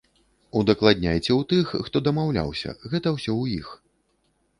Удакладняйце ў тых, хто дамаўляўся, гэта ўсё ў іх.